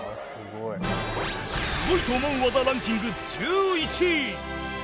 すごいと思う技ランキング１１位